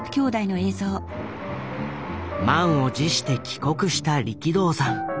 満を持して帰国した力道山。